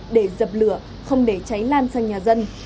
để dập lửa không để cháy lan sang nhà dân